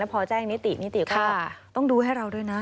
พอแจ้งนิตินิติก็ต้องดูให้เราด้วยนะ